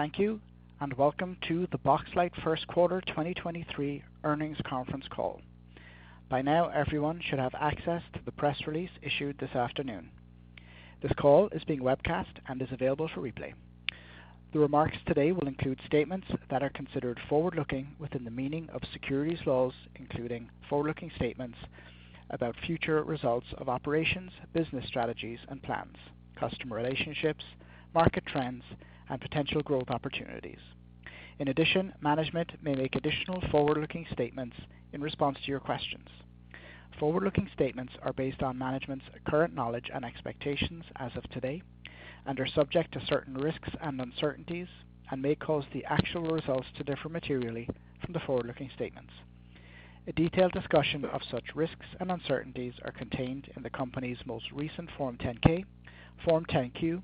Thank you and welcome to the Boxlight Q1 2023 Earnings Conference Call. By now, everyone should have access to the press release issued this afternoon. This call is being webcast and is available for replay. The remarks today will include statements that are considered forward-looking within the meaning of securities laws, including forward-looking statements about future results of operations, business strategies and plans, customer relationships, market trends and potential growth opportunities. In addition, management may make additional forward-looking statements in response to your questions. Forward-looking statements are based on management's current knowledge and expectations as of today, and are subject to certain risks and uncertainties and may cause the actual results to differ materially from the forward-looking statements. A detailed discussion of such risks and uncertainties are contained in the company's most recent Form 10-K, Form 10-Q,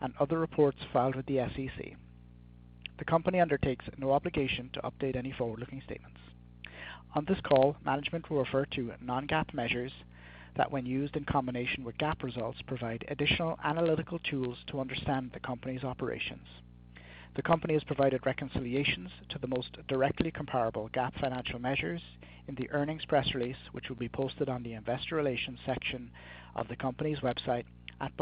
and other reports filed with the SEC. The company undertakes no obligation to update any forward-looking statements. On this call, management will refer to non-GAAP measures that, when used in combination with GAAP results, provide additional analytical tools to understand the company's operations. The company has provided reconciliations to the most directly comparable GAAP financial measures in the earnings press release, which will be posted on the investor relations section of the company's website at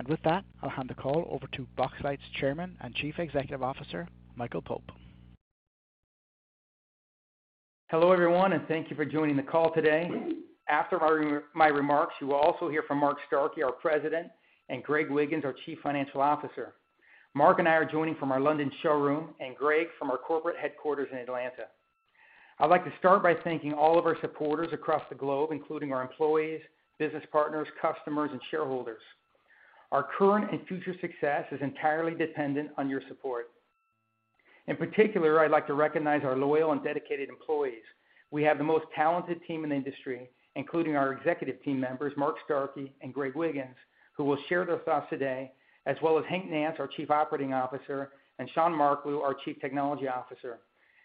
boxlight.com. With that, I'll hand the call over to Boxlight's Chairman and Chief Executive Officer, Michael Pope. Hello everyone, and thank you for joining the call today. After my remarks, you will also hear from Mark Starkey, our President, and Greg Wiggins, our Chief Financial Officer. Mark and I are joining from our London showroom and Greg from our corporate headquarters in Atlanta. I'd like to start by thanking all of our supporters across the globe, including our employees, business partners, customers and shareholders. Our current and future success is entirely dependent on your support. In particular, I'd like to recognize our loyal and dedicated employees. We have the most talented team in the industry, including our executive team members Mark Starkey and Greg Wiggins, who will share their thoughts today, as well as Hank Nance, our Chief Operating Officer, and Shaun Marklew, our Chief Technology Officer.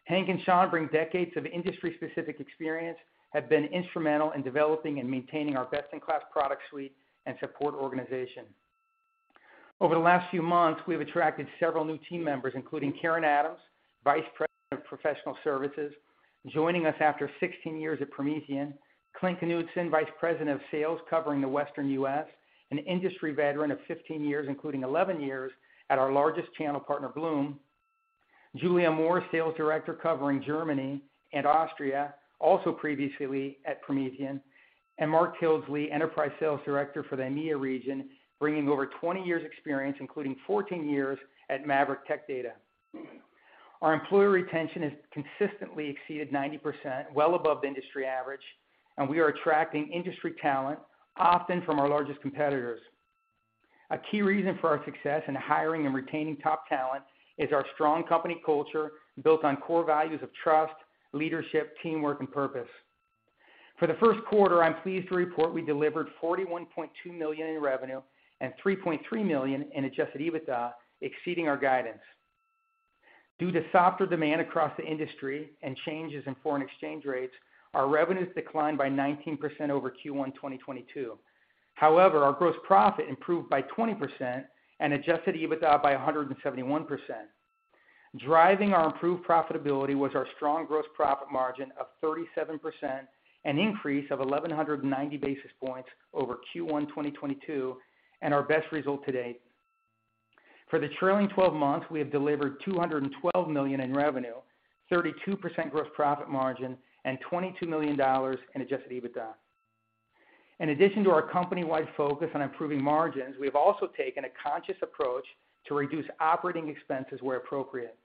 Hank Nance and Shaun Marklew bring decades of industry-specific experience, have been instrumental in developing and maintaining our best-in-class product suite and support organization. Over the last few months, we've attracted several new team members, including Karen Adams, Vice President of Professional Services, joining us after 16 years at Promethean. Clint Knudsen, Vice President of Sales, covering the Western U.S., is is ,an industry veteran of 15 years, including 11 years at our largest channel partner, Bluum. Julia Moore, Sales Director covering Germany and Austria, also previously at Promethean. Mark Hildesley, Enterprise Sales Director for the EMEA region, brings over 20 year of experience, including 14 years at Maverick Tech Data. Our employee retention has consistently exceeded 90%, well above the industry average. We are attracting industry talent often from our largest competitors. A key reason for our success in hiring and retaining top talent is our strong company culture, built on core values of trust, leadership, teamwork, and purpose. For Q1, I'm pleased to report we delivered $41.2 million in revenue and $3.3 million in adjusted EBITDA, exceeding our guidance. Due to softer demand across the industry and changes in foreign exchange rates, our revenues declined by 19% over Q1 2022. However, our gross profit improved by 20% and adjusted EBITDA by 171%. Driving our improved profitability was our strong gross profit margin of 37%, an increase of 1,190 basis points over Q1 2022, and our best result to date. For the trailing 12 months, we have delivered $212 million in revenue, 32% gross profit margin and $22 million in adjusted EBITDA. In addition to our company-wide focus on improving margins, we have also taken a conscious approach to reduce operating expenses where appropriate.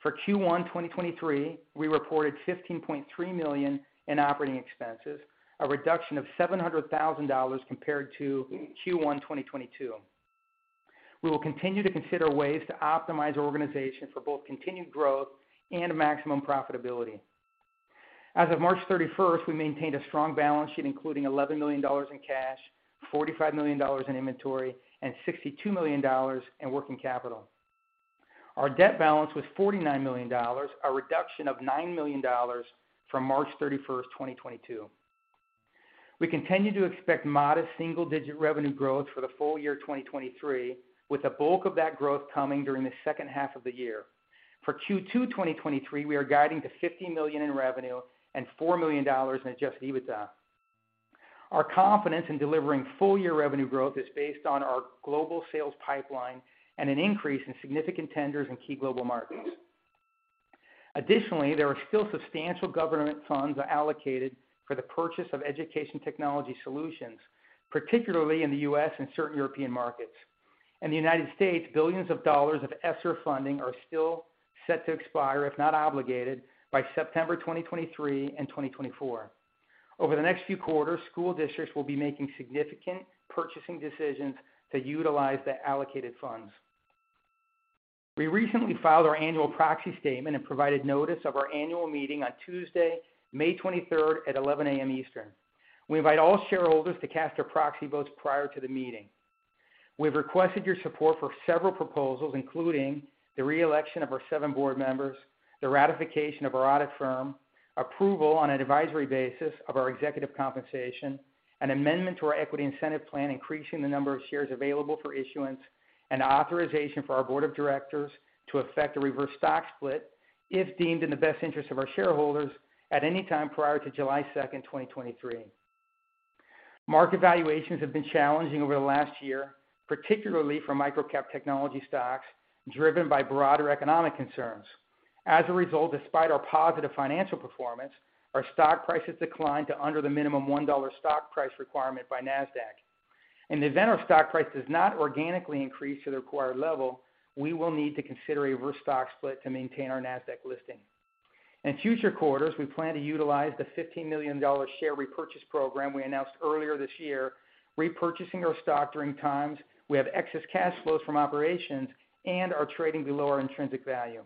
For Q1 2023, we reported $15.3 million in operating expenses, a reduction of $700,000 compared to Q1 2022. We will continue to consider ways to optimize our organization for both continued growth and maximum profitability. As of March 31st, we maintained a strong balance sheet, including $11 million in cash, $45 million in inventory and $62 million in working capital. Our debt balance was $49 million, a reduction of $9 million from March 31st, 2022. We continue to expect modest single-digit revenue growth for the full year 2023, with the bulk of that growth coming during H2. For Q2 2023, we are guiding to $50 million in revenue and $4 million in adjusted EBITDA. Our confidence in delivering full-year revenue growth is based on our global sales pipeline and an increase in significant tenders in key global markets. Additionally, there are still substantial government funds allocated for the purchase of education technology solutions, particularly in the US and certain European markets. In the United States, billions of dollars of ESSER funding are still set to expire, if not obligated by September 2023 and 2024. Over the next few quarters, school districts will be making significant purchasing decisions to utilize the allocated funds. We recently filed our annual proxy statement and provided notice of our annual meeting on Tuesday, May 23rd at 11:00 A.M. Eastern. We invite all shareholders to cast their proxy votes before the meeting. We've requested your support for several proposals, including the re-election of our seven board members, the ratification of our audit firm, approval on an advisory basis of our executive compensationAn amendment to our equity incentive plan increasing the number of shares available for issuance, and authorization for our board of directors to effect a reverse stock split if deemed in the best interest of our shareholders at any time prior to July 2nd, 2023. Market valuations have been challenging over the last year, particularly for microcap technology stocks, driven by broader economic concerns. As a result, despite our positive financial performance, our stock prices declined to under the minimum $1 stock price requirement by Nasdaq. In the event our stock price does not organically increase to the required level, we will need to consider a reverse stock split to maintain our Nasdaq listing. In future quarters, we plan to utilize the $15 million share repurchase program we announced earlier this year, repurchasing our stock during times we have excess cash flows from operations and are trading below our intrinsic value.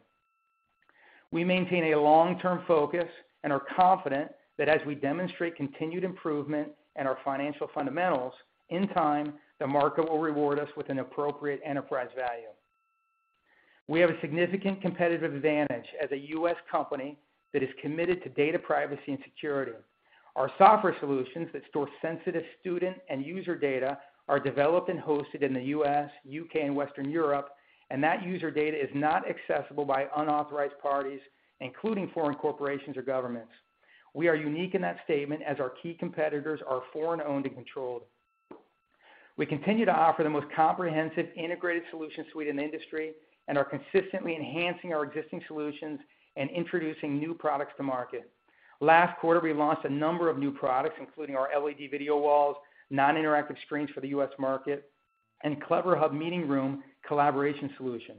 We maintain a long-term focus and are confident that, as we demonstrate continued improvement in our financial fundamentals, in time, the market will reward us with an appropriate enterprise value. We have a significant competitive advantage as a U.S. company that is committed to data privacy and security. Our software solutions that store sensitive student and user data are developed and hosted in the US, U.K., and Western Europe, and that user data is not accessible by unauthorized parties, including foreign corporations or governments. We are unique in that statement, as our key competitors are foreign-owned and controlled. We continue to offer the most comprehensive integrated solution suite in the industry and are consistently enhancing our existing solutions and introducing new products to market. Last quarter, we launched a number of new products, including our LED video walls, non-interactive screens for the US market, and CleverHub meeting room collaboration solution.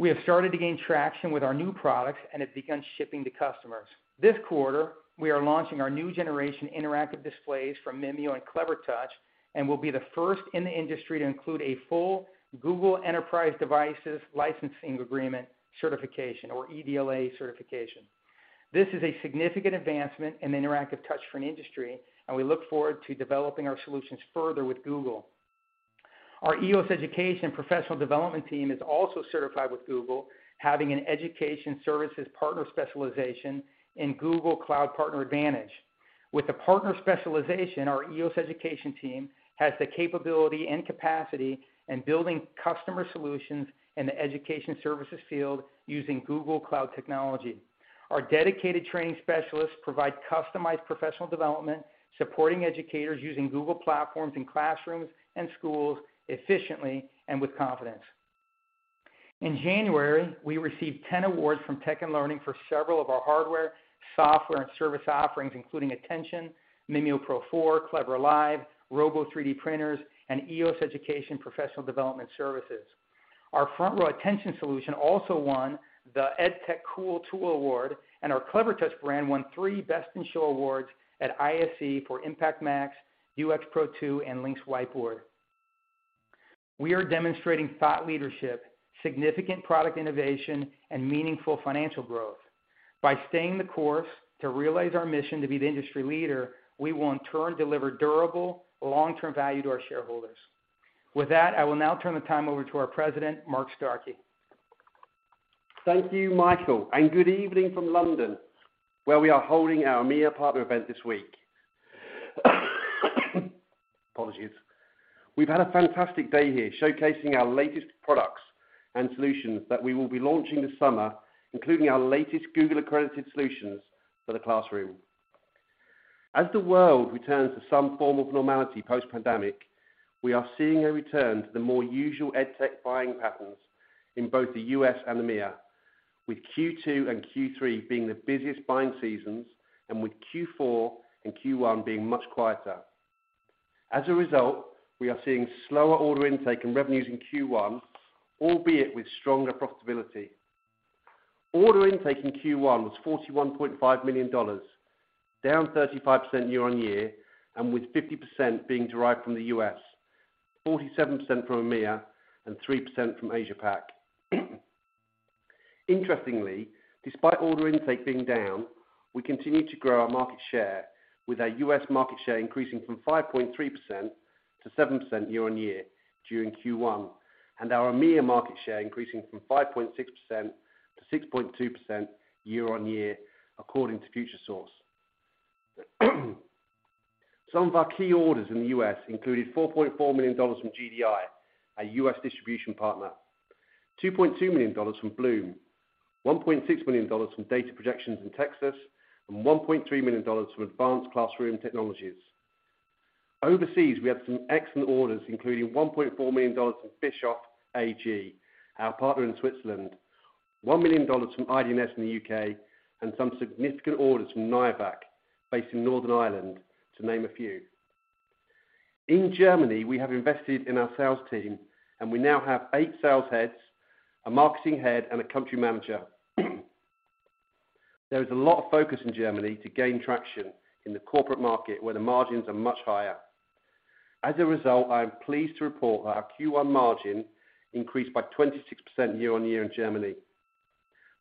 We have started to gain traction with our new products and have begun shipping to customers. This quarter, we are launching our new generation interactive displays from Mimio and Clevertouch, and will be the first in the industry to include a full Google Enterprise Devices Licensing Agreement certification, or Eto buildDLA certification. This is a significant advancement in the interactive touchscreen industry, and we look forward to developing our solutions further with Google. Our EOS Education professional development team is also certified with Google, having an Education Services Partner Specialization and Google Cloud Partner Advantage. With the partner specialization, our EOS Education team has the capability and capacity to build customer solutions in the education services field using Google Cloud technology. Our dedicated training specialists provide customized professional development, supporting educators using Google platforms in classrooms and schools efficiently and with confidence. In January, we received 10 awards from Tech & Learning for several of our hardware, software, and service offerings, including ATTENTION, MimioPro 4, CleverLive, Robo 3D printers, and EOS Education professional development services. Our FrontRow ATTENTION solution also won the EdTech Cool Tool Award, and our Clevertouch brand won three Best in Show awards at ISE for IMPACT Max, UX Pro 2, and LYNX Whiteboard. We are demonstrating thought leadership, significant product innovation, and meaningful financial growth. By staying the course to realize our mission to be the industry leader, we will in turn deliver durable long-term value to our shareholders. With that, I will now turn the time over to our President, Mark Starkey. Thank you, Michael. Good evening from London, where we are holding our EMEA partner event this week. Apologies. We've had a fantastic day here showcasing our latest products and solutions that we will be launching this summer, including our latest Google-accredited solutions for the classroom. As the world returns to some form of normality post-pandemic, we are seeing a return to the more usual EdTech buying patterns in both the US and EMEA, with Q2 and Q3 being the busiest buying seasons, and with Q4 and Q1 being much quieter. As a result, we are seeing slower order intake and revenues in Q1, albeit with stronger profitability. Order intake in Q1 was $41.5 million, down 35% year-on-year, and with 50% being derived from the US, 47% from EMEA, and 3% from Asia Pac. Interestingly, despite order intake being down, we continue to grow our market share, with our US market share increasing from 5.3% to 7% year-on-year during Q1, and our EMEA market share increasing from 5.6% to 6.2% year-on-year, according to Futuresource. Some of our key orders in the US included $4.4 million from GDI, our US distribution partner, $2.2 million from Bluum, $1.6 million from Data Projections in Texas, and $1.3 million from Advanced Classroom Technologies. Overseas, we had some excellent orders, including $1.4 million from Bischoff AG, our partner in Switzerland, $1 million from IDNS in the UK, and some significant orders from Niavac, based in Northern Ireland, to name a few. In Germany, we have invested in our sales team, and we now have eight sales heads, a marketing head, and a country manager. There is a lot of focus in Germany to gain traction in the corporate market, where the margins are much higher. As a result, I am pleased to report that our Q1 margin increased by 26% year-on-year in Germany.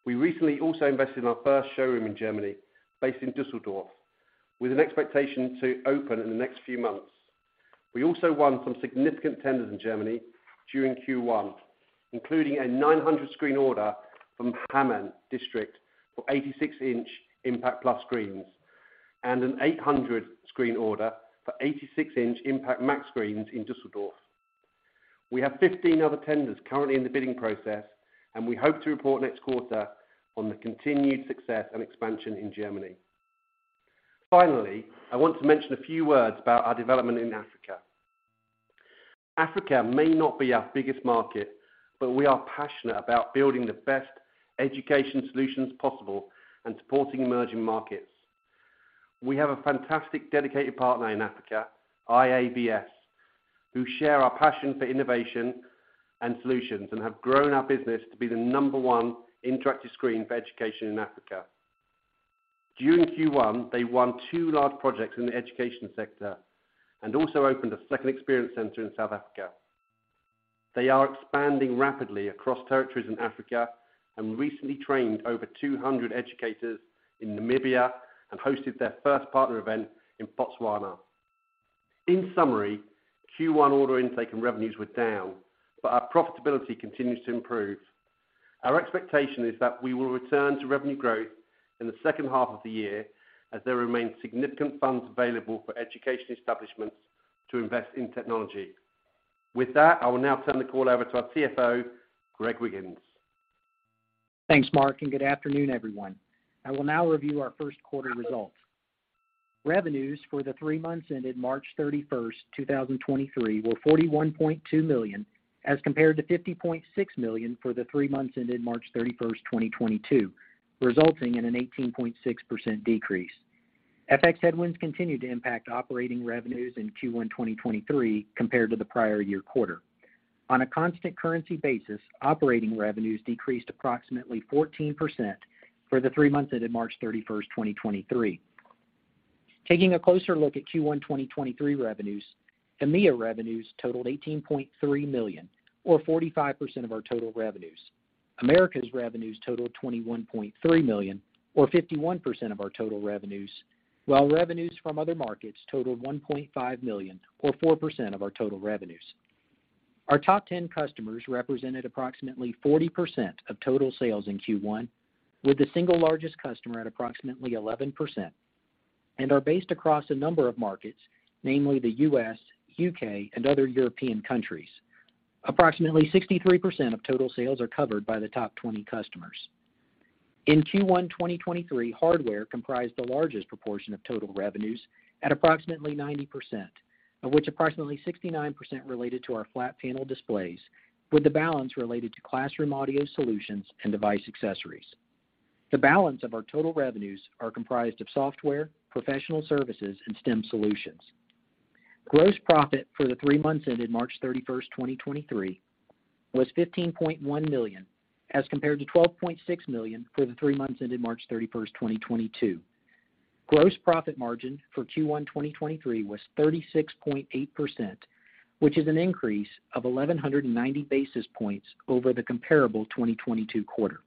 We recently also invested in our first showroom in Germany, based in Düsseldorf, with an expectation to open in the next few months. We also won some significant tenders in Germany during Q1, including a 900-screen order from Hamm District for 86-inch IMPACT Plus screens and an 800-screen order for 86-inch IMPACT Max screens in Düsseldorf. We have 15 other tenders currently in the bidding process, and we hope to report next quarter on the continued success and expansion in Germany. I want to mention a few words about our development in Africa. Africa may not be our biggest market, but we are passionate about building the best education solutions possible and supporting emerging markets. We have a fantastic, dedicated partner in Africa, IABS, who shares our passion for innovation and solutions and has grown our business to be the number one interactive screen for education in Africa. During Q1, they won two large projects in the education sector and also opened a second experience center in South Africa. They are expanding rapidly across territories in Africa and recently trained over 200 educators in Namibia and hosted their first partner event in Botswana. Q1 order intake and revenues were down, but our profitability continues to improve. Our expectation is that we will return to revenue growth in H2 as there remain significant funds available for education establishments to invest in technology. With that, I will now turn the call over to our CFO, Greg Wiggins. Thanks, Mark. Good afternoon, everyone. I will now review our Q1 results. Revenues for the three months ended March 31, 2023, were $41.2 million as compared to $50.6 million for the three months ended March 31, 2022, resulting in an 18.6% decrease. FX headwinds continued to impact operating revenues in Q1 2023 compared to the prior year quarter. On a constant currency basis, operating revenues decreased approximately 14% for the three months ended March 31, 2023. Taking a closer look at Q1 2023 revenues, EMEA revenues totaled $18.3 million or 45% of our total revenues. Americas' revenues totaled $21.3 million or 51% of our total revenues, while revenues from other markets totaled $1.5 million or 4% of our total revenues. Our top 10 customers represented approximately 40% of total sales in Q1, with the single largest customer at approximately 11%, and are based across a number of markets, namely the U.S., U.K. and other European countries. Approximately 63% of total sales are covered by the top 20 customers. In Q1 2023, hardware comprised the largest proportion of total revenues at approximately 90%, of which approximately 69% related to our flat panel displays, with the balance related to classroom audio solutions and device accessories. The balance of our total revenues is comprised of software, professional services, and STEM solutions. Gross profit for the three months ended March 31, 2023 was $15.1 million as compared to $12.6 million for the 3 months ended March 31, 2022. Gross profit margin for Q1 2023 was 36.8%, which is an increase of 1,190 basis points over the comparable 2022 quarter.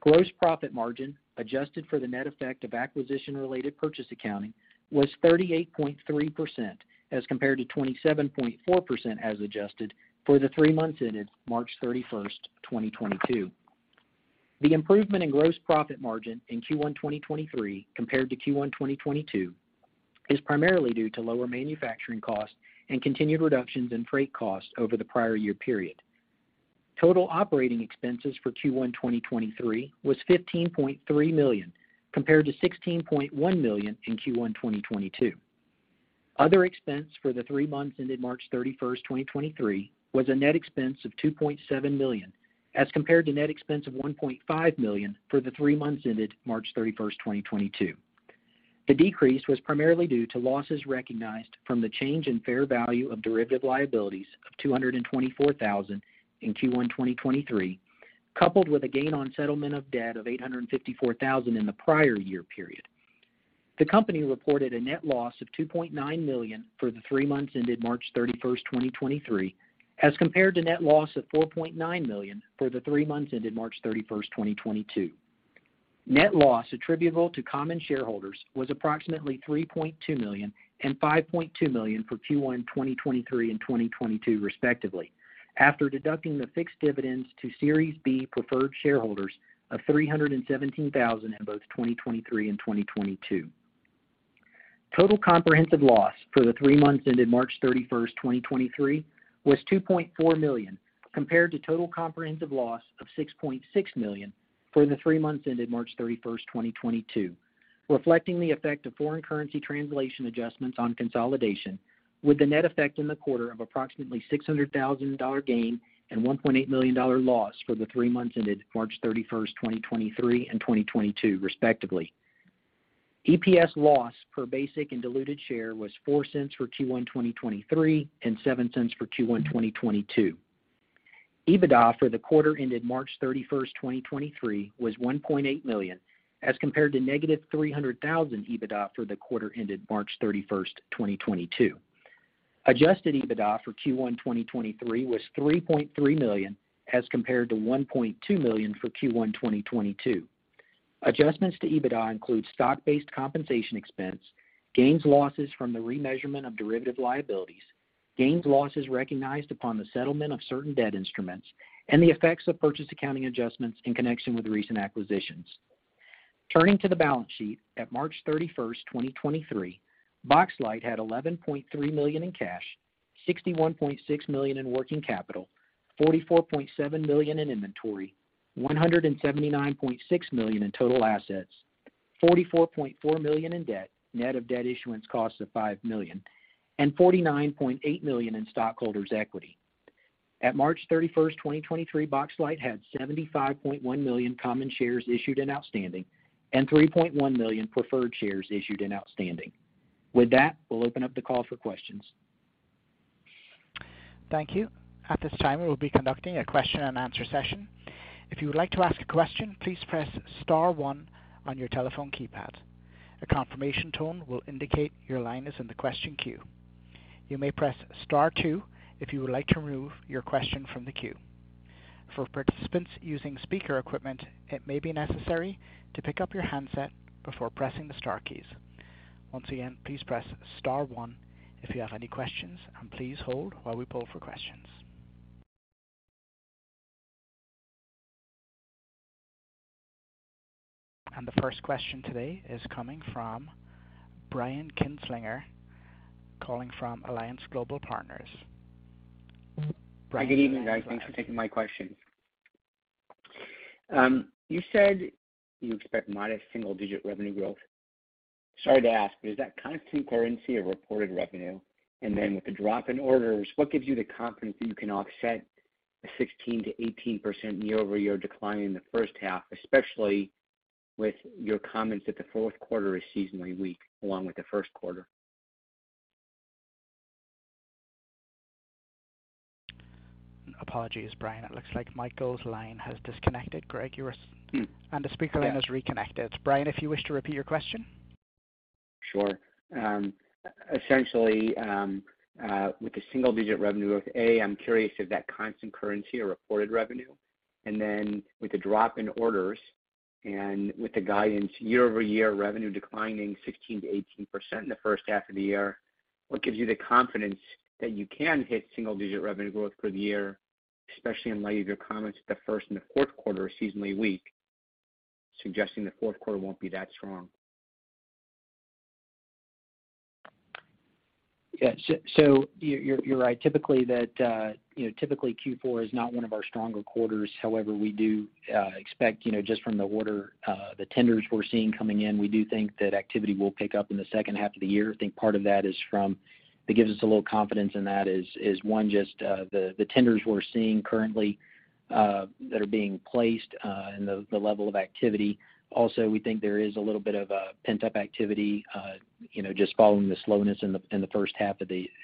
Gross profit margin, adjusted for the net effect of acquisition-related purchase accounting, was 38.3% as compared to 27.4% as adjusted for the three months ended March 31, 2022. The improvement in gross profit margin in Q1 2023 compared to Q1 2022 is primarily due to lower manufacturing costs and continued reductions in freight costs over the prior year period. Total operating expenses for Q1 2023 were $15.3 million, compared to $16.1 million in Q1 2022. Other expense for the three months ended March 31, 2023, was a net expense of $2.7 million, as compared to a net expense of $1.5 million for the three months ended March 31, 2022. The decrease was primarily due to losses recognized from the change in fair value of derivative liabilities of $224,000 in Q1 2023, coupled with a gain on settlement of debt of $854,000 in the prior year period. The company reported a net loss of $2.9 million for the three months ended March 31, 2023, as compared to a net loss of $4.9 million for the three months ended March 31, 2022. Net loss attributable to common shareholders was approximately $3.2 million and $5.2 million for Q1 2023 and 2022, respectively, after deducting the fixed dividends to Series B preferred shareholders of $317,000 in both 2023 and 2022. Total comprehensive loss for the three months ended March 31, 2023 was $2.4 million, compared to total comprehensive loss of $6.6 million for the three months ended March 31, 2022, reflecting the effect of foreign currency translation adjustments on consolidation, with the net effect in the quarter of approximately $600,000 gain and $1.8 million loss for the three months ended March 31, 2023 and 2022 respectively. EPS loss per basic and diluted share was $0.04 for Q1 2023 and $0.07 for Q1 2022. EBITDA for the quarter ended March 31st, 2023 was $1.8 million, as compared to negative $300,000 EBITDA for the quarter ended March 31st, 2022. Adjusted EBITDA for Q1 2023 was $3.3 million, as compared to $1.2 million for Q1 2022. Adjustments to EBITDA include stock-based compensation expense, gains losses from the remeasurement of derivative liabilities, gains losses recognized upon the settlement of certain debt instruments, and the effects of purchase accounting adjustments in connection with recent acquisitions. Turning to the balance sheet, at March 31, 2023, Boxlight had $11.3 million in cash, $61.6 million in working capital, $44.7 million in inventory, $179.6 million in total assets, $44.4 million in debt, net of debt issuance costs of $5 million, and $49.8 million in stockholders' equity. At March 31, 2023, Boxlight had 75.1 million common shares issued and outstanding and 3.1 million preferred shares issued and outstanding. With that, we'll open up the call for questions. Thank you. At this time, we'll be conducting a Q&A session. If you would like to ask a question, please press star one on your telephone keypad. A confirmation tone will indicate your line is in the question queue. You may press star two if you would like to remove your question from the queue. For participants using speaker equipment, it may be necessary to pick up your handset before pressing the star keys. Once again, please press star one if you have any questions, and please hold while we poll for questions. The first question today is coming from Brian Kinstlinger, calling from Alliance Global Partners. Good evening, guys. Thanks for taking my questions. You said you expect modest single-digit revenue growth. Sorry to ask, but is that constant currency or reported revenue? With the drop in orders, what gives you the confidence that you can offset the 16%-18% year-over-year decline in the first half, especially with your comments that the fourth quarter is seasonally weak along with Q1? Apologies, Brian. It looks like Michael's line has disconnected. Greg, you were... The speaker line is reconnected. Brian, if you wish to repeat your question. Sure. Essentially, with the single-digit revenue of A, I'm curious if that constant currency or reported revenue. With the drop in orders and with the guidance year-over-year revenue declining 16%-18% in H1, what gives you the confidence that you can hit single-digit revenue growth for the year, especially in light of your comments that the first and the fourth quarter are seasonally weak, suggesting the fourth quarter won't be that strong? Yeah. You're right. Typically, that, you know, typically Q4 is not one of our stronger quarters. However, we do expect, you know, just from the order, the tenders we're seeing coming in, we do think that activity will pick up in H2. I think part of that gives us a little confidence in that is one, just the tenders we're seeing currently that are being placed and the level of activity. We think there is a little bit of a pent-up activity, you know, just following the slowness in H1.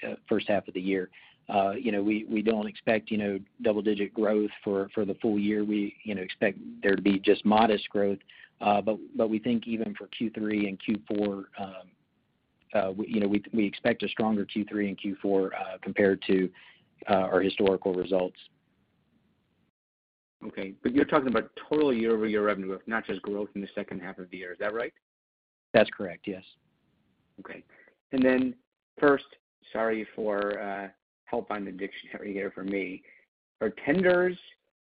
You know, we don't expect, you know, double-digit growth for the full year. We, you know, expect there to be just modest growth, but we think even for Q3 and Q4, you know, we expect a stronger Q3 and Q4, compared to our historical results. Okay. You're talking about total year-over-year revenue, not just growth in H2. Is that right? That's correct, yes. First, sorry for, help find the dictionary here for me. Are tenders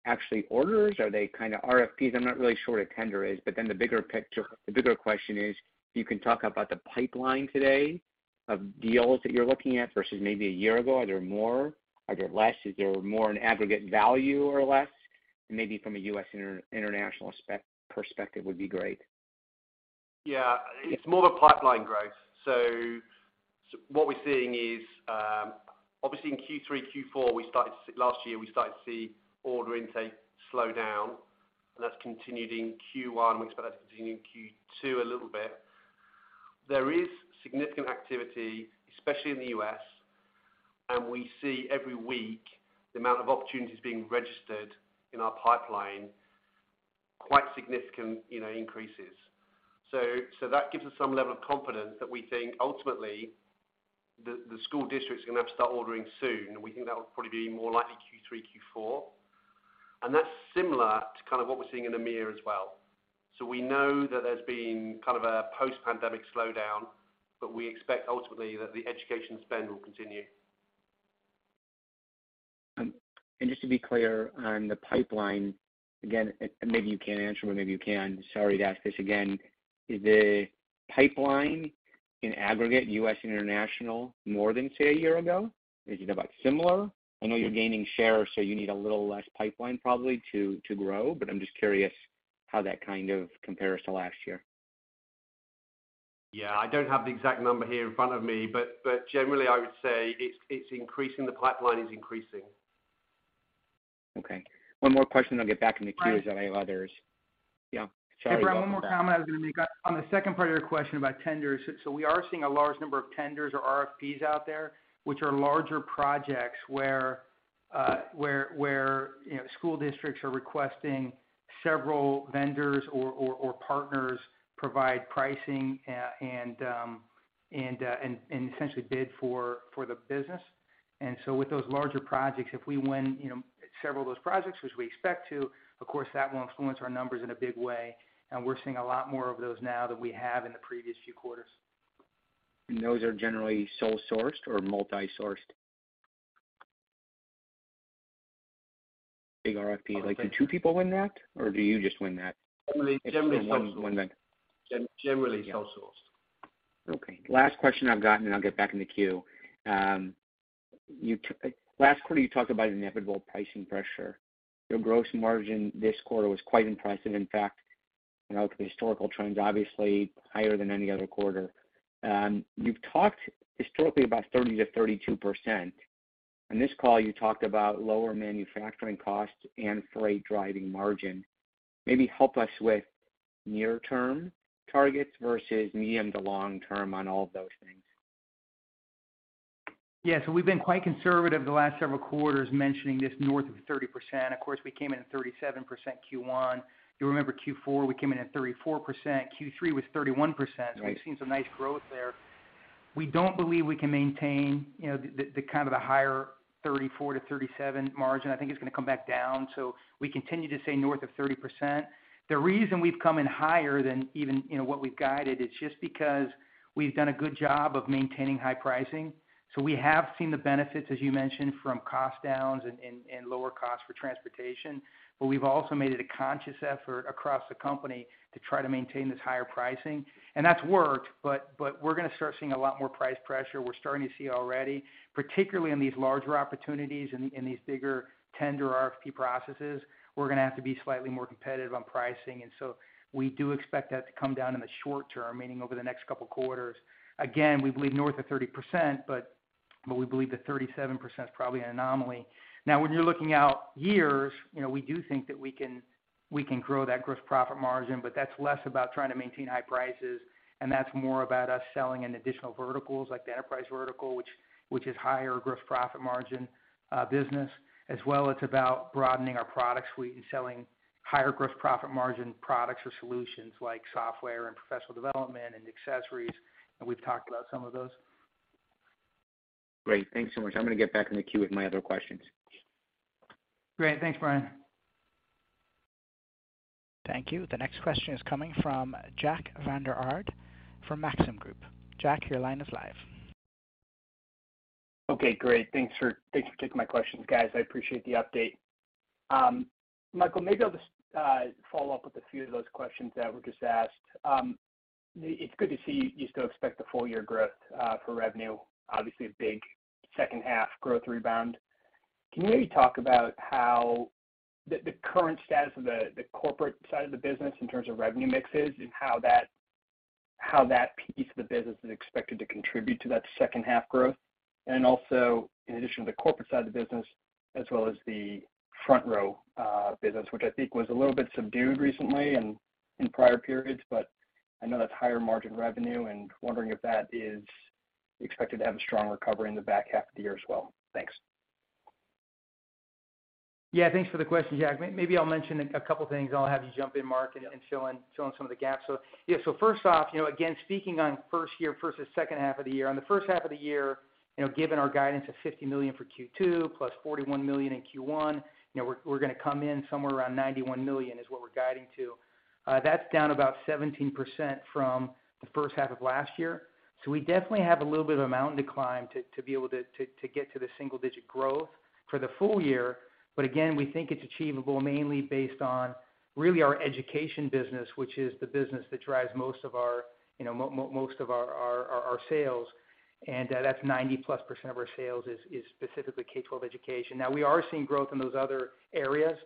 actually orders? Are they kind of RFPs? I'm not really sure what a tender is. The bigger question is, you can talk about the pipeline today of deals that you're looking at versus maybe a year ago. Are there more? Are there less? Is there more an aggregate value or less? Maybe from a U.S. international spec-- perspective would be great. Yeah. It's more the pipeline growth. What we're seeing is, obviously in Q3, Q4, Last year, we started to see order intake slow down, and that's continued in Q1. We expect that to continue in Q2 a little bit. There is significant activity, especially in the US, and we see every week the amount of opportunities being registered in our pipeline quite significant, you know, increases. That gives us some level of confidence that we think ultimately the school district is gonna have to start ordering soon. We think that will probably be more likely Q3, Q4. That's similar to kind of what we're seeing in EMEA as well. We know that there's been kind of a post-pandemic slowdown, but we expect ultimately that the education spend will continue. Just to be clear on the pipeline, again, maybe you can't answer or maybe you can, sorry to ask this again. Is the pipeline in aggregate U.S. and international more than, say, a year ago? Is it about similar? I know you're gaining share, so you need a little less pipeline probably to grow, but I'm just curious how that kind of compares to last year. I don't have the exact number here in front of me, but generally I would say it's increasing. The pipeline is increasing. Okay. One more question then I'll get back in the queue as I have others. Yeah. Yeah, Brian, one more comment I was gonna make. On the second part of your question about tenders, we are seeing a large number of tenders or RFPs out there, which are larger projects where, you know, school districts are requesting several vendors or partners provide pricing, and essentially bid for the business. With those larger projects, if we win, you know, several of those projects, which we expect to, of course that will influence our numbers in a big way. We're seeing a lot more of those now than we have in the previous few quarters. Those are generally sole sourced or multi-sourced? Big RFP. Like, do two people win that or do you just win that? Generally sole sourced. One then. generally sole sourced. Last question I've gotten, I'll get back in the queue. Last quarter, you talked about inevitable pricing pressure. Your gross margin this quarter was quite impressive. You know, the historical trends, obviously higher than any other quarter. You've talked historically about 30%-32%. On this call, you talked about lower manufacturing costs and freight driving margin. Help us with near-term targets versus medium to long term on all of those things. Yeah. We've been quite conservative the last several quarters mentioning this north of 30%. Of course, we came in at 37% Q1. You remember Q4, we came in at 34%. Q3 was 31%. Right. We've seen some nice growth there. We don't believe we can maintain, you know, the kind of a higher 34%-37% margin. I think it's gonna come back down. We continue to say north of 30%. The reason we've come in higher than even, you know, what we've guided, it's just because we've done a good job of maintaining high pricing. We have seen the benefits, as you mentioned, from cost downs and lower costs for transportation. We've also made it a conscious effort across the company to try to maintain this higher pricing. That's worked, but we're gonna start seeing a lot more price pressure. We're starting to see already, particularly in these larger opportunities, in these bigger tender RFP processes, we're gonna have to be slightly more competitive on pricing. We do expect that to come down in the short term, meaning over the next couple quarters. Again, we believe north of 30%, but we believe that 37% is probably an anomaly. When you're looking out years, you know, we do think that we can grow that gross profit margin, but that's less about trying to maintain high prices, and that's more about us selling in additional verticals like the enterprise vertical, which is higher gross profit margin business. As well as it's about broadening our product suite and selling higher gross profit margin products or solutions like software and professional development and accessories, and we've talked about some of those. Great. Thanks so much. I'm gonna get back in the queue with my other questions. Great. Thanks, Brian. Thank you. The next question is coming from Jack Vander Aarde from Maxim Group. Jack, your line is live. Great. Thanks for taking my questions, guys. I appreciate the update. Michael, maybe I'll just follow up with a few of those questions that were just asked. It's good to see you still expect the full year growth for revenue, obviously a big second half growth rebound. Can you maybe talk about how the current status of the corporate side of the business in terms of revenue mixes and how that piece of the business is expected to contribute to that second half growth? In addition to the corporate side of the business, as well as the FrontRow business, which I think was a little bit subdued recently and in prior periods, but I know that's higher margin revenue and wondering if that is expected to have a strong recovery in the back half of the year as well. Thanks. Yeah, thanks for the question, Jack. Maybe I'll mention a couple things. I'll have you jump in, Mark, and fill in some of the gaps. Yeah. First off, you know, again, speaking on first year versus H2, on H1, you know, given our guidance of $50 million for Q2 plus $41 million in Q1, you know, we're going to come in somewhere around $91 million, is what we're guiding to. That's down about 17% from the first half of last year. We definitely have a little bit of a mountain to climb to be able to get to the single-digit growth for the full year. Again, we think it's achievable mainly based on really our education business, which is the business that drives most of our, you know, most of our sales. That's 90%+ of our sales is specifically K-12 education. Now, we are seeing growth in those other areas.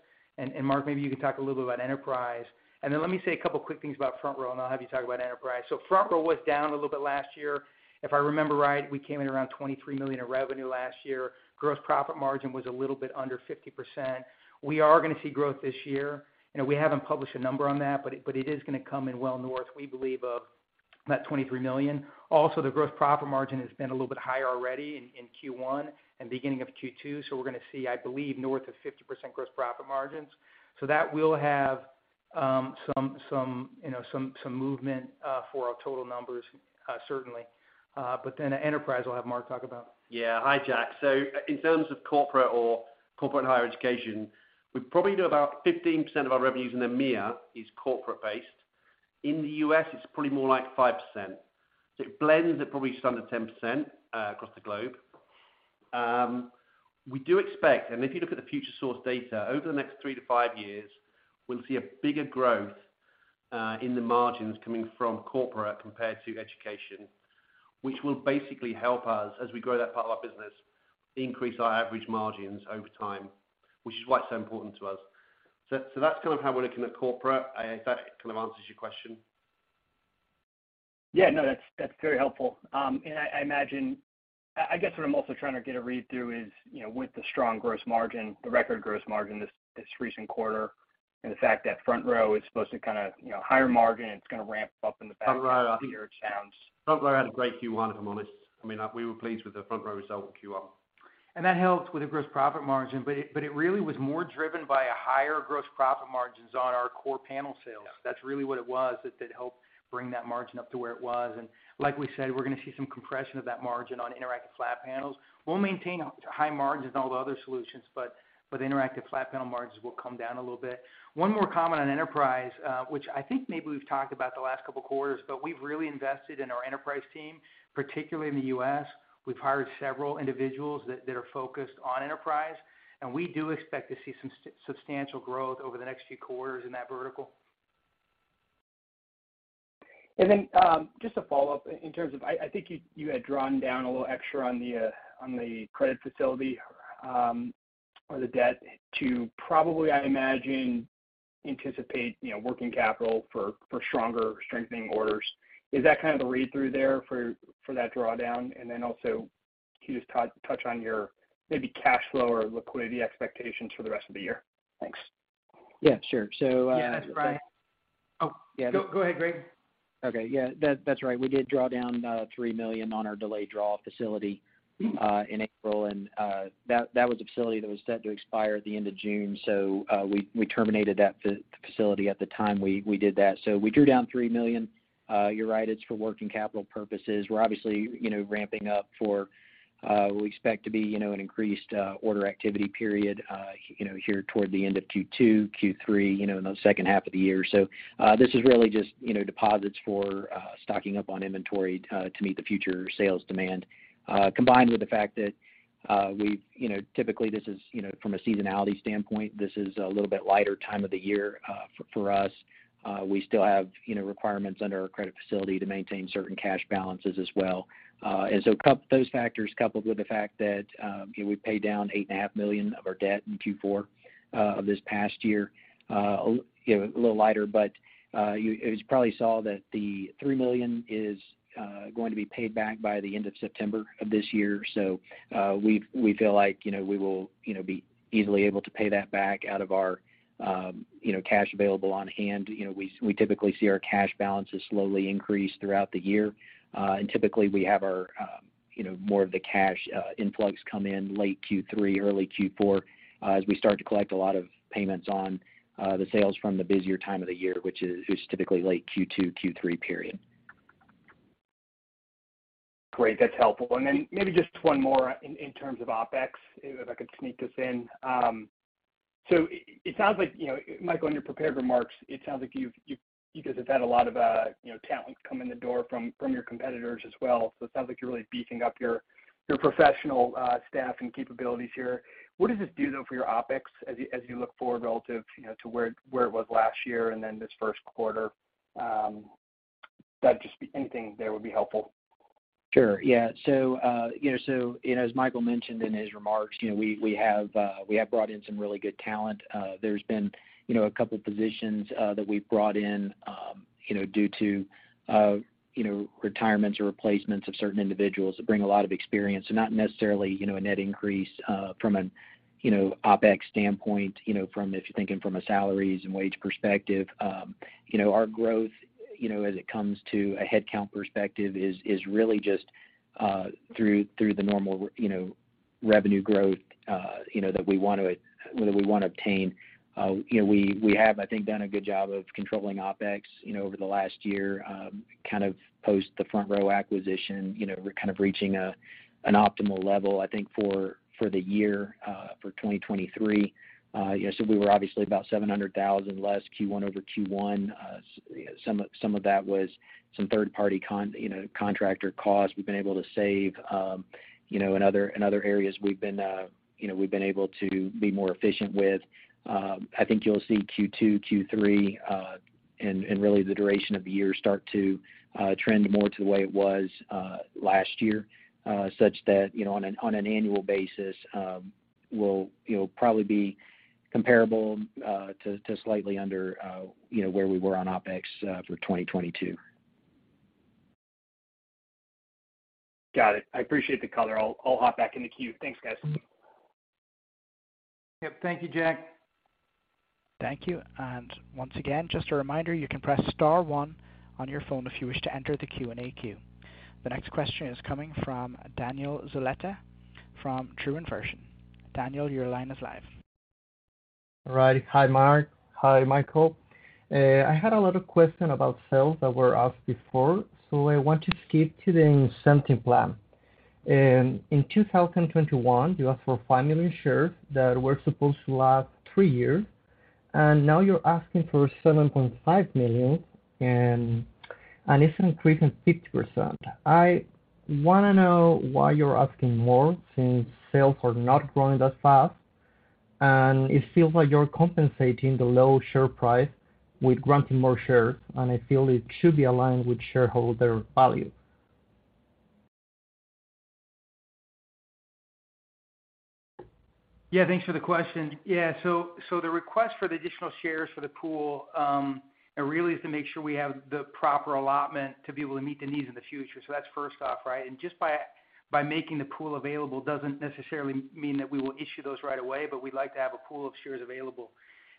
Mark, maybe you can talk a little bit about enterprise. Let me say a couple quick things about FrontRow, and I'll have you talk about enterprise. FrontRow was down a little bit last year. If I remember right, we came in around $23 million in revenue last year. Gross profit margin was a little bit under 50%. We are gonna see growth this year, and we haven't published a number on that, but it is gonna come in well north, we believe, of that $23 million. The gross profit margin has been a little bit higher already in Q1 and beginning of Q2. We're gonna see, I believe, north of 50% gross profit margins. That will have some, you know, movement for our total numbers, certainly. Enterprise will have Mark talk about. Yeah. Hi, Jack. In terms of corporate or corporate and higher education, we probably do about 15% of our revenues in EMEA is corporate based. In the U.S., it's probably more like 5%. It blends at probably just under 10% across the globe. We do expect and if you look at the Futuresource data, over the next three to five years, we'll see a bigger growth in the margins coming from corporate compared to education, which will basically help us, as we grow that part of our business, increase our average margins over time, which is why it's so important to us. That's kind of how we're looking at corporate, if that kind of answers your question. Yeah. No, that's very helpful. I guess what I'm also trying to get a read through is, you know, with the strong gross margin, the record gross margin this recent quarter and the fact that FrontRow is supposed to kind of, you know, higher margin, it's gonna ramp up in the back half of the year, it sounds. Front Row had a great Q1, if I'm honest. I mean, we were pleased with the Front Row result in Q1. That helps with the gross profit margin, but it really was more driven by a higher gross profit margins on our core panel sales. Yeah. That's really what it was that helped bring that margin up to where it was. Like we said, we're gonna see some compression of that margin on interactive flat panels. We'll maintain high margins on all the other solutions, but the interactive flat panel margins will come down a little bit. One more comment on enterprise, which I think maybe we've talked about the last couple of quarters, but we've really invested in our enterprise team, particularly in the U.S. We've hired several individuals that are focused on enterprise, and we do expect to see some substantial growth over the next few quarters in that vertical. Just a follow-up in terms of I think you had drawn down a little extra on the credit facility, or the debt to probably, I imagine, anticipate, you know, working capital for stronger strengthening orders. Is that kind of the read-through there for that drawdown? Also can you just touch on your maybe cash flow or liquidity expectations for the rest of the year? Thanks. Yeah, sure. Yeah, that's right. Oh. Yeah. Go ahead, Greg. Okay. That's right. We did draw down about $3 million on our delayed draw facility in April. That was a facility that was set to expire at the end of June. We terminated that facility at the time we did that. We drew down $3 million. You're right, it's for working capital purposes. We're obviously, you know, ramping up for what we expect to be, you know, an increased order activity period, you know, here toward the end of Q2, Q3, you know, in H2. This is really just, you know, deposits for stocking up on inventory to meet the future sales demand. Combined with the fact that, you know, typically this is, you know, from a seasonality standpoint, this is a little bit lighter time of the year for us. We still have, you know, requirements under our credit facility to maintain certain cash balances as well. Those factors coupled with the fact that, you know, we paid down eight and a half million of our debt in Q4 of this past year, you know, a little lighter, but as you probably saw that the $3 million is going to be paid back by the end of September of this year. We, we feel like, you know, we will, you know, be easily able to pay that back out of our, you know, cash available on hand. You know, we typically see our cash balances slowly increase throughout the year. Typically, we have our, you know, more of the cash influx come in late Q3, early Q4, as we start to collect a lot of payments on the sales from the busier time of the year, which is typically late Q2, Q3 period. Great. That's helpful. Maybe just one more in terms of OpEx, if I could sneak this in. It sounds like, you know, Michael, in your prepared remarks, it sounds like you've, you guys have had a lot of, you know, talent come in the door from your competitors as well. It sounds like you're really beefing up your professional staff and capabilities here. What does this do, though, for your OpEx as you look forward relative, you know, to where it was last year and then this Q1? That just anything there would be helpful. Sure. Yeah. You know, as Michael mentioned in his remarks, you know, we have brought in some really good talent. There's been, you know, a couple of positions that we've brought in, you know, due to, you know, retirements or replacements of certain individuals that bring a lot of experience. Not necessarily, you know, a net increase from an, you know, OpEx standpoint, you know, from if you're thinking from a salaries and wage perspective. You know, our growth, you know, as it comes to a headcount perspective is really just through the normal, you know, revenue growth, you know, that we want to, that we wanna obtain. you know, we have, I think, done a good job of controlling OpEx, you know, over the last year, kind of post the FrontRow acquisition, you know, we're kind of reaching an optimal level, I think, for the year, for 2023. Yeah, we were obviously about $700,000 less Q1 over Q1. some of that was some third party you know, contractor costs we've been able to save. you know, in other areas we've been, you know, we've been able to be more efficient with. I think you'll see Q2, Q3, and really the duration of the year start to trend more to the way it was last year, such that, you know, on an annual basis, we'll, you know, probably be comparable to slightly under, you know, where we were on OpEx for 2022. Got it. I appreciate the color. I'll hop back in the queue. Thanks, guys. Yep. Thank you, Jack. Thank you. Once again, just a reminder, you can press star one on your phone if you wish to enter the Q&A queue. The next question is coming from Daniel Zuleta from TruInversion. Daniel, your line is live. All right. Hi, Mark. Hi, Michael. I had a lot of question about sales that were asked before, so I want to skip to the incentive plan. In 2021, you asked for five million shares that were supposed to last three years. Now you're asking for 7.5 million and it's an increase in 50%. I wanna know why you're asking more since sales are not growing that fast, and it feels like you're compensating the low share price with granting more shares, and I feel it should be aligned with shareholder value. Thanks for the question. The request for the additional shares for the pool really is to make sure we have the proper allotment to be able to meet the needs in the future. That's first off, right? Just by making the pool available doesn't necessarily mean that we will issue those right away, but we'd like to have a pool of shares available.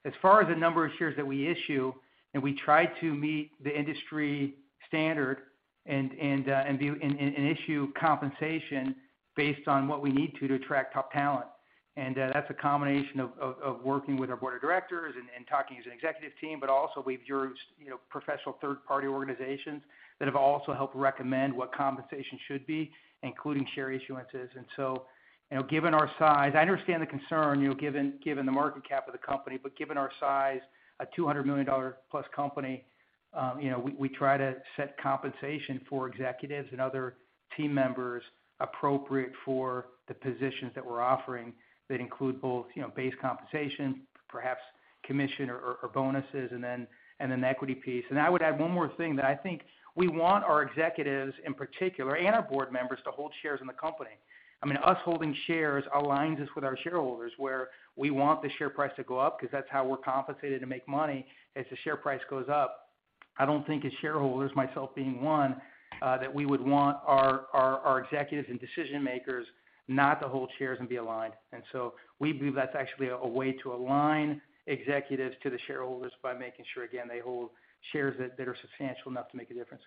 As far as the number of shares that we issue, we try to meet the industry standard and issue compensation based on what we need to attract top talent. That's a combination of working with our board of directors and talking as an executive team. Also we've used, you know, professional third-party organizations that have also helped recommend what compensation should be, including share issuances. You know, given our size. I understand the concern, you know, given the market cap of the company, but given our size, a $200 million-plus company, you know, we try to set compensation for executives and other team members appropriate for the positions that we're offering that include both, you know, base compensation, perhaps commission or bonuses and then the equity piece. I would add one more thing that I think we want our executives in particular and our board members to hold shares in the company. Us holding shares aligns us with our shareholders, where we want the share price to go up because that's how we're compensated to make money as the share price goes up. I don't think as shareholders, myself being one, that we would want our executives and decision-makers not to hold shares and be aligned. We believe that's actually a way to align executives to the shareholders by making sure, again, they hold shares that are substantial enough to make a difference.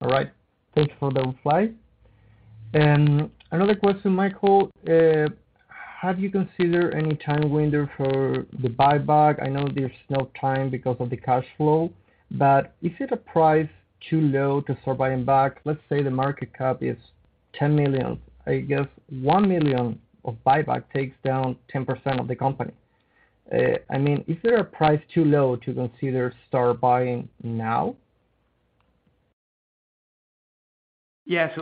All right. Thank you for the reply. Another question, Michael. Have you considered any time window for the buyback? I know there's no time because of the cash flow. Is it a price too low to start buying back? Let's say the market cap is $10 million. I guess $1 million of buyback takes down 10% of the company. I mean, is there a price too low to consider start buying now? Yeah.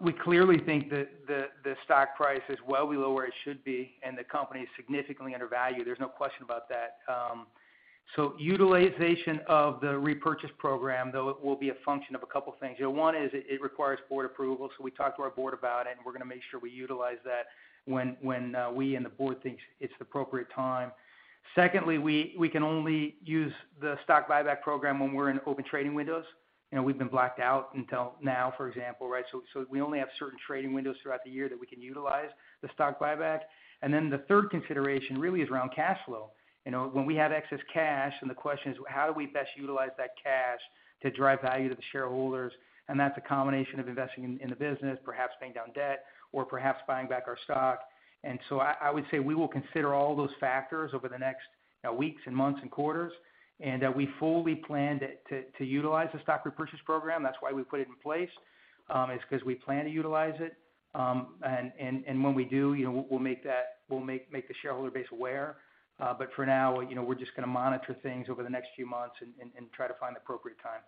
We clearly think that the stock price is well below where it should be, and the company is significantly undervalued. There's no question about that. Utilization of the repurchase program, though, it will be a function of a couple things. You know, one is it requires board approval, so we talk to our board about it, and we're gonna make sure we utilize that when we and the board thinks it's the appropriate time. Secondly, we can only use the stock buyback program when we're in open trading windows. You know, we've been blacked out until now, for example, right? We only have certain trading windows throughout the year that we can utilize the stock buyback. The third consideration really is around cash flow. You know, when we have excess cash, then the question is: How do we best utilize that cash to drive value to the shareholders? That's a combination of investing in the business, perhaps paying down debt, or perhaps buying back our stock. I would say we will consider all those factors over the next, you know, weeks and months and quarters. We fully plan to utilize the stock repurchase program. That's why we put it in place, is 'cause we plan to utilize it. And when we do, you know, we'll make the shareholder base aware. For now, you know, we're just gonna monitor things over the next few months and try to find the appropriate time.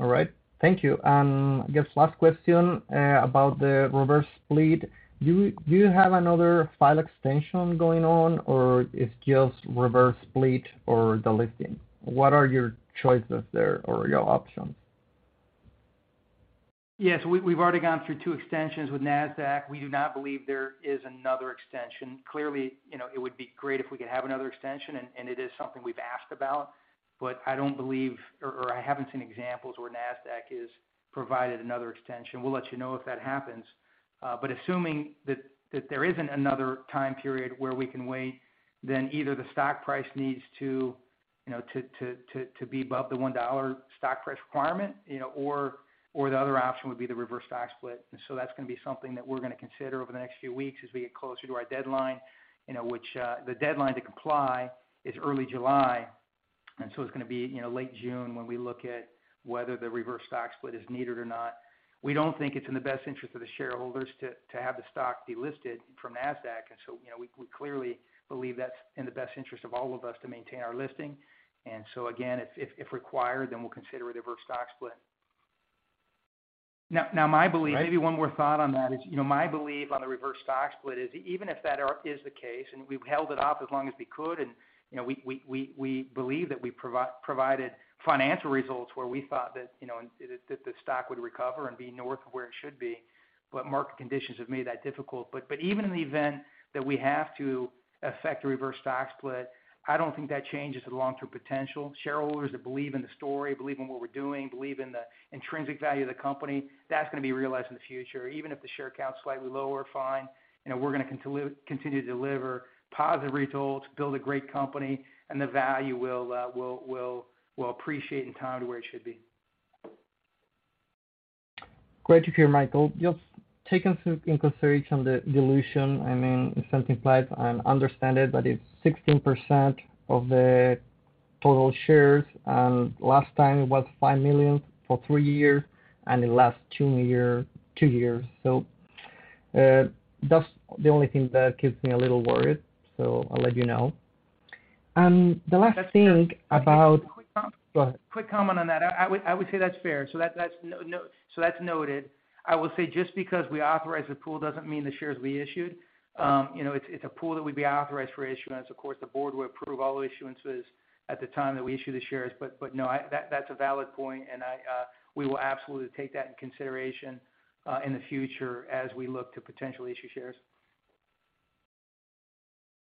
All right. Thank you. I guess last question about the reverse split. Do you have another file extension going on, or it's just reverse split or delisting? What are your choices there or your options? Yes. We've already gone through two extensions with Nasdaq. We do not believe there is another extension. Clearly, you know, it would be great if we could have another extension, and it is something we've asked about, but I don't believe or I haven't seen examples where Nasdaq has provided another extension. We'll let you know if that happens. Assuming that there isn't another time period where we can wait, then either the stock price needs to, you know, to be above the $1 stock price requirement, you know, or the other option would be the reverse stock split. That's gonna be something that we're gonna consider over the next few weeks as we get closer to our deadline, you know, which the deadline to comply is early July. It's gonna be, you know, late June when we look at whether the reverse stock split is needed or not. We don't think it's in the best interest of the shareholders to have the stock delisted from Nasdaq. You know, we clearly believe that's in the best interest of all of us to maintain our listing. Again, if required, then we'll consider a reverse stock split. Now my belief- Right. Maybe one more thought on that is, you know, my belief on the reverse stock split is even if is the case, and we've held it off as long as we could, and, you know, we believe that we provided financial results where we thought that, you know, it that the stock would recover and be north of where it should be, but market conditions have made that difficult. Even in the event that we have to affect a reverse stock split, I don't think that changes the long-term potential. Shareholders that believe in the story, believe in what we're doing, believe in the intrinsic value of the company, that's gonna be realized in the future. Even if the share count's slightly lower, fine. You know, we're gonna continue to deliver positive results, build a great company, and the value will appreciate in time to where it should be. Great to hear, Michael. Just taking some consideration on the dilution, I mean, it's something implied, and understand it, but it's 16% of the total shares. Last time it was $5 million for three years, and it last two years. That's the only thing that keeps me a little worried. I'll let you know. Quick comment. Go ahead. Quick comment on that. I would say that's fair. That's noted. I will say just because we authorized the pool doesn't mean the shares will be issued. you know, it's a pool that we'd be authorized for issuance. Of course, the board would approve all the issuances at the time that we issue the shares. No, I. That's a valid point, and I, we will absolutely take that in consideration in the future as we look to potentially issue shares.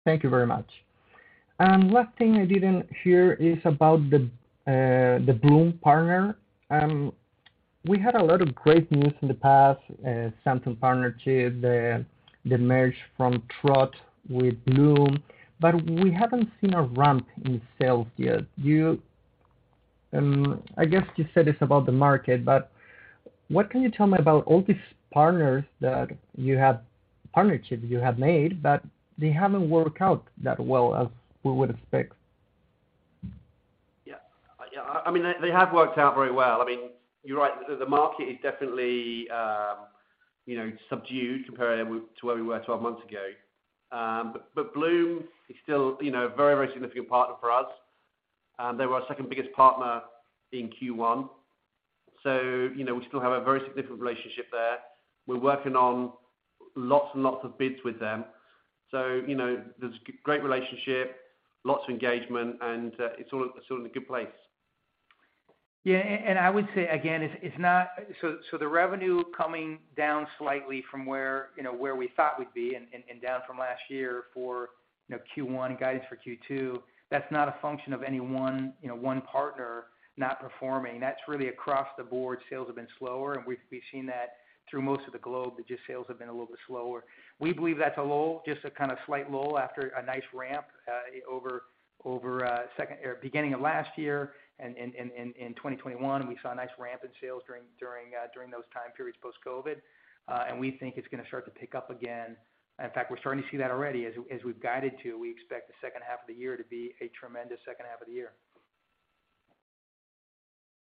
Thank you very much. Last thing I didn't hear is about the Bluum partner. We had a lot of great news in the past, Samsung partnership, the merge from Trox with Bluum, but we haven't seen a ramp in sales yet. I guess you said it's about the market, but what can you tell me about all these partnerships you have made, but they haven't worked out that well as we would expect? Yeah. I mean, they have worked out very well. I mean, you're right. The market is definitely, you know, subdued comparing to where we were 12 months ago. Bluum is still, you know, a very significant partner for us. They were our second biggest partner in Q1. We still have a very significant relationship there. We're working on lots of bids with them. There's great relationship, lots of engagement, and it's all in a good place. Yeah. I would say, again, it's not. The revenue coming down slightly from where, you know, where we thought we'd be and down from last year for, you know, Q1 and guidance for Q2, that's not a function of any one, you know, one partner not performing. That's really across the board, sales have been slower, and we've been seeing that through most of the globe, that just sales have been a little bit slower. We believe that's a lull, just a kind of slight lull after a nice ramp over beginning of last year and 2021, we saw a nice ramp in sales during those time periods post-COVID. We think it's gonna start to pick up again. In fact, we're starting to see that already. As we've guided to, we expect H2 to be a tremendous H2.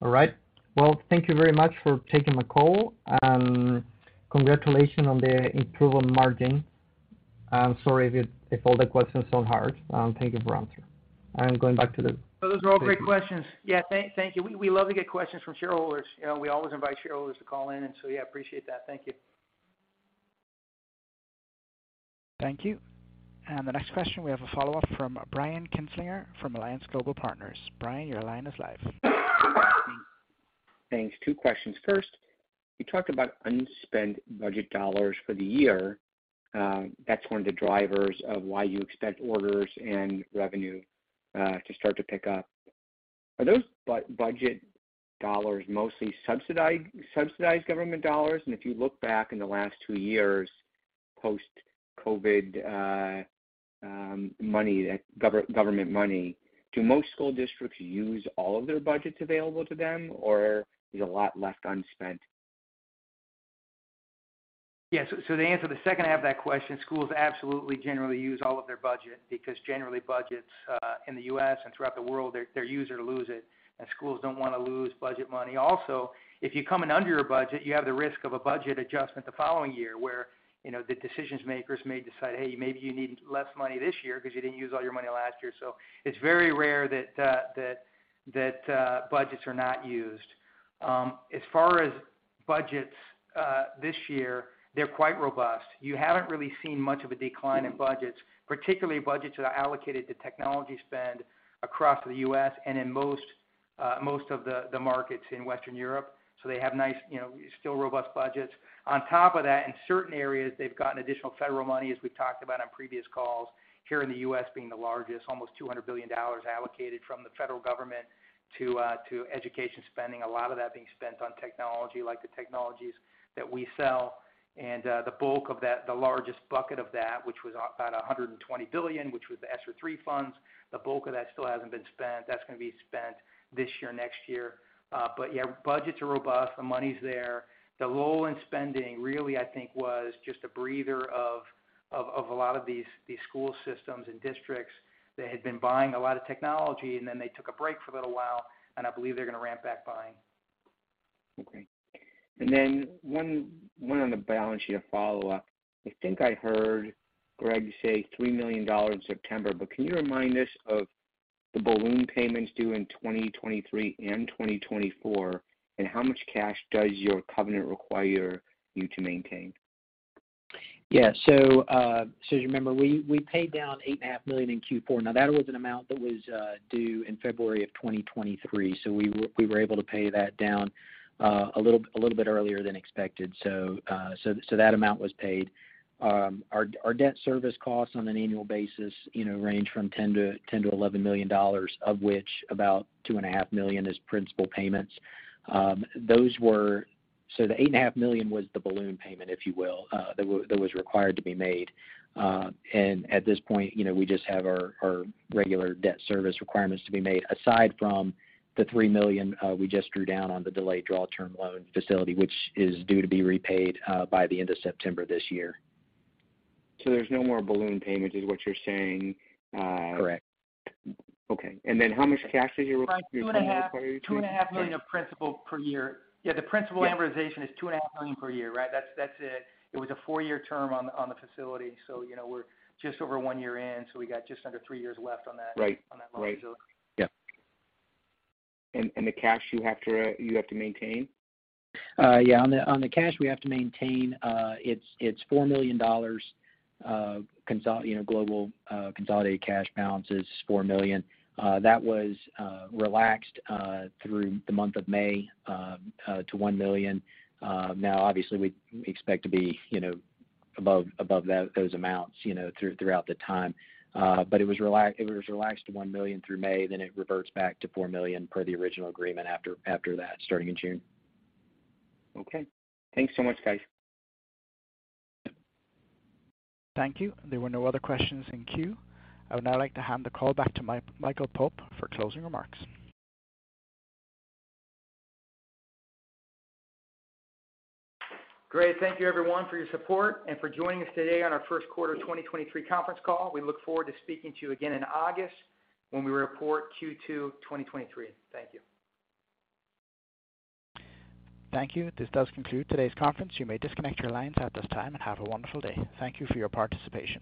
All right. Well, thank you very much for taking the call, and congratulations on the improved margin. I'm sorry if all the questions so hard. Thank you for answering. I'm going back to the. Those are all great questions. Thank you. We love to get questions from shareholders. You know, we always invite shareholders to call in. Appreciate that. Thank you. Thank you. The next question, we have a follow-up from Brian Kinstlinger from Alliance Global Partners. Brian, your line is live. Thanks. Two questions. First, you talked about unspent budget dollars for the year. That's 1 of the drivers of why you expect orders and revenue to start to pick up. Are those budget dollars mostly subsidized government dollars? If you look back in the last two years, post-COVID, government money, do most school districts use all of their budgets available to them, or is a lot left unspent? Yes. The answer to the second half of that question, schools absolutely generally use all of their budget because generally budgets in the US and throughout the world, they're use it or lose it, and schools don't wanna lose budget money. Also, if you come in under your budget, you have the risk of a budget adjustment the following year, where, you know, the decisions makers may decide, "Hey, maybe you need less money this year because you didn't use all your money last year." It's very rare that that budgets are not used. As far as budgets, this year, they're quite robust. You haven't really seen much of a decline in budgets, particularly budgets that are allocated to technology spend across the US and in most of the markets in Western Europe. They have nice, you know, still robust budgets. On top of that, in certain areas, they've gotten additional federal money, as we've talked about on previous calls, here in the U.S. being the largest, almost $200 billion allocated from the federal government to education spending, a lot of that being spent on technology like the technologies that we sell. The bulk of that, the largest bucket of that, which was about $120 billion, which was the ESSER III funds, the bulk of that still hasn't been spent. That's gonna be spent this year, next year. Yeah, budgets are robust. The money's there. The lull in spending really, I think, was just a breather of a lot of these school systems and districts that had been buying a lot of technology. They took a break for a little while. I believe they're gonna ramp back buying. Okay. One on the balance sheet to follow up. I think I heard Greg say $3 million in September, but can you remind us of the balloon payments due in 2023 and 2024, and how much cash does your covenant require you to maintain? As you remember, we paid down $ eight and a half million in Q4. That was an amount that was due in February of 2023. We were able to pay that down a little bit earlier than expected. That amount was paid. Our debt service costs on an annual basis, you know, range from $10 million-$11 million, of which about $ two and a half million is principal payments. The $ eight and a half million was the balloon payment, if you will, that was required to be made. At this point, you know, we just have our regular debt service requirements to be made, aside from the $3 million we just drew down on the delayed draw term loan facility, which is due to be repaid by the end of September this year. There's no more balloon payments, is what you're saying? Correct. Okay. How much cash is your- Two and a half million of principal per year. Yeah, the principal amortization- Yeah. is two and a half million dollars per year, right? That's it. It was a four-year term on the facility. You know, we're just over one year in, so we got just under three years left on that- Right. on that loan facility. Yeah. The cash you have to maintain? Yeah. On the cash we have to maintain, it's $4 million, you know, global consolidated cash balance is $4 million. That was relaxed through the month of May to $1 million. Now, obviously, we expect to be, you know, above those amounts, you know, throughout the time. It was relaxed to $1 million through May, then it reverts back to $4 million per the original agreement after that, starting in June. Thanks so much, guys. Thank you. There were no other questions in queue. I would now like to hand the call back to Michael Pope for closing remarks. Great. Thank you everyone for your support and for joining us today on our Q1 of 2023 conference call. We look forward to speaking to you again in August when we report Q2 2023. Thank you. Thank you. This does conclude today's conference. You may disconnect your lines at this time, and have a wonderful day. Thank you for your participation.